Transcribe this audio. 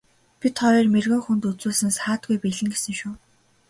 Бид хоёр мэргэн хүнд үзүүлсэн саадгүй биелнэ гэсэн шүү.